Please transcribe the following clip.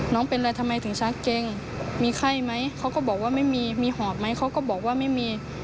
น้องเป็นอะไรทำไมถึงชักเจ้งมีไข้ไหม